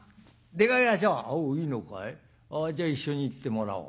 「おういいのかい？じゃあ一緒に行ってもらおう。